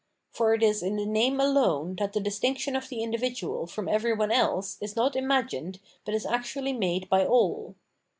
For it is in the name alone that the distinction of the individual from every one else is not imagined but is actually made by all.